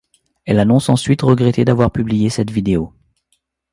Elle annonce ensuite regretter d'avoir publié cette vidéo.